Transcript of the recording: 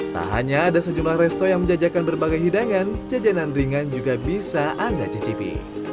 tak hanya ada sejumlah resto yang menjajakan berbagai hidangan jajanan ringan juga bisa anda cicipi